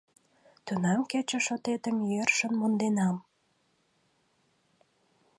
Тунам кече шотетым йӧршын монденам.